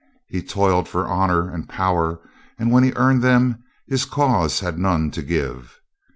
He toiled for honor and power and when he earned them his cause had none to give.